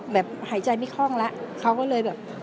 แบบหายใจไม่คล่องละเขาก็เลยแบบ